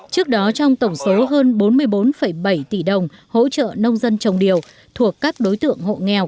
trước đó trong tổng số hơn bốn mươi bốn bảy tỷ đồng hỗ trợ nông dân trồng điều thuộc các đối tượng hộ nghèo